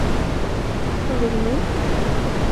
Vad vill ni?